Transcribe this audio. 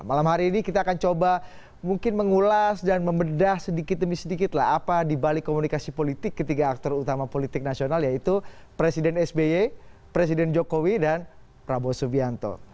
malam hari ini kita akan coba mungkin mengulas dan membedah sedikit demi sedikit lah apa dibalik komunikasi politik ketiga aktor utama politik nasional yaitu presiden sby presiden jokowi dan prabowo subianto